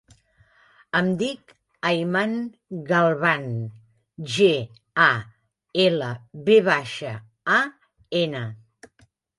Em dic Ayman Galvan: ge, a, ela, ve baixa, a, ena.